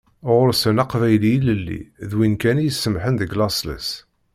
Ɣur-sen "Aqbayli ilelli" d win kan isemmḥen deg laṣel-is.